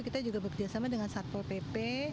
kita juga bekerjasama dengan satpol pp